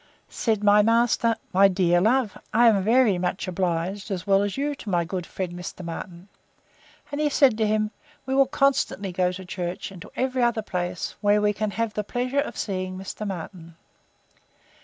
Said my master, My dear love, I am very much obliged, as well as you, to my good friend Mr. Martin. And he said to him, We will constantly go to church, and to every other place, where we can have the pleasure of seeing Mr. Martin.